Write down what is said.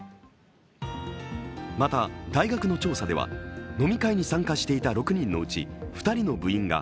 また、大学の調査では飲み会に参加していた６人のうち２人の部員が